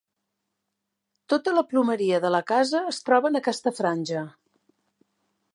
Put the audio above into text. Tota la plomeria de la casa es troba en aquesta franja.